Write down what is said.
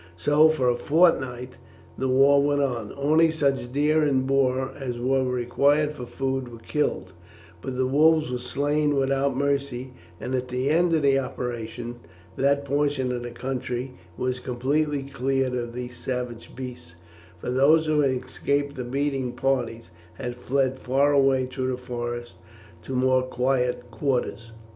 So for a fortnight the war went on. Only such deer and boar as were required for food were killed; but the wolves were slain without mercy, and at the end of the operations that portion of the country was completely cleared of these savage beasts, for those who had escaped the beating parties had fled far away through the forest to more quiet quarters.